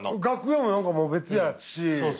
楽屋も何かもう別やし。